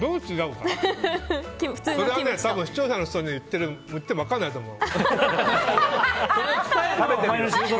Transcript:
それは視聴者の人に言っても分からないと思う。